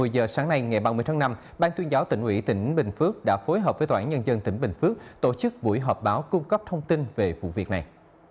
một mươi giờ sáng nay ngày ba mươi tháng năm ban tuyên giáo tỉnh ủy tỉnh bình phước đã phối hợp với tnnd tỉnh bình phước tổ chức buổi họp báo cung cấp thông tin về vụ việc này